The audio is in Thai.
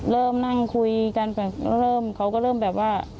เริ่มนั่งคุยกันแบบเริ่มเขาก็เริ่มแบบว่า